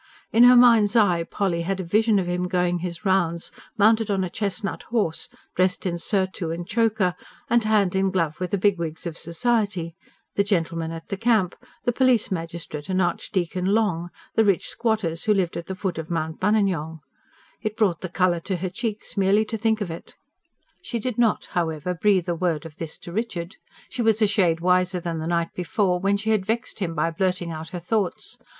In her mind's eye Polly had a vision of him going his rounds mounted on a chestnut horse, dressed in surtout and choker, and hand and glove with the bigwigs of society the gentlemen at the Camp, the Police Magistrate and Archdeacon Long, the rich squatters who lived at the foot of Mount Buninyong. It brought the colour to her cheeks merely to think of it. She did not, however, breathe a word of this to Richard. She was a shade wiser than the night before, when she had vexed him by blurting out her thoughts.